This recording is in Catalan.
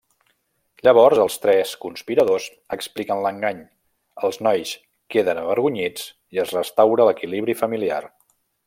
Llavors els tres conspiradors expliquen l’engany, els nois queden avergonyits i es restaura l'equilibri familiar.